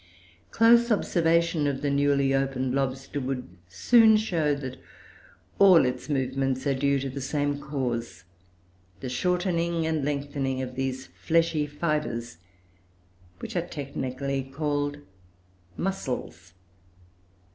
Close observation of the newly opened lobster would soon show that all its movements are due to the same cause the shortening and thickening of these fleshy fibres, which are technically called muscles.